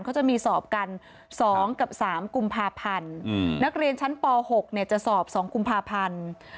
เขาจะมีสอบกัน๒กับ๓กุมภาพันธ์นักเรียนชั้นป๖จะสอบ๒กุมภาพันธ์